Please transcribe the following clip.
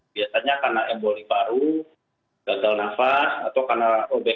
biasanya karena emboli paru gagal nafas atau karena kebekan yang terlalu besar